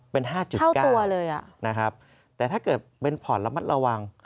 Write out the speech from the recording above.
เป็น๕๙ตัวเลยนะครับแต่ถ้าเกิดเป็นพอร์ตระมัดระวัง